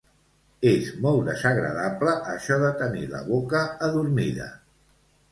És molt desagradable això de tenir la boca adormida